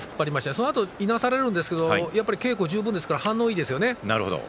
そのあといなされるんですが稽古十分ですから反応もいいですね。